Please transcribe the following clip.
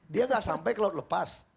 dia nggak sampai ke laut lepas